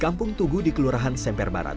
kampung tugu di kelurahan semper barat